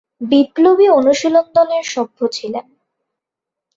বিপ্লবী অনুশীলন দলের সভ্য ছিলেন।